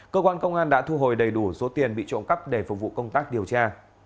cơ quan công an đã thu hồi đầy đủ số tiền bị trộm cắp để phục vụ công tác điều tra